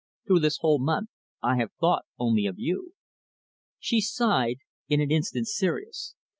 "Through this whole month I have thought only of you." She sighed, in an instant serious.